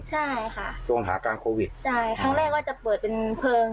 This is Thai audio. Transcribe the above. ใช่ค่ะช่วงหาการโควิดใช่ครั้งแรกก็จะเปิดเป็นเพลิง